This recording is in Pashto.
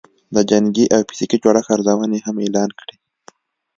د جنګي او فزیکي جوړښت ارزونې هم اعلان کړې